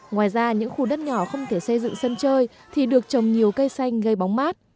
ngoài ra những khu đất nhỏ không thể xây dựng sân chơi thì được trồng nhiều cây xanh gây bóng mát